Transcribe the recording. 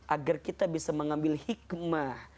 agar kita bisa mengambil hikmah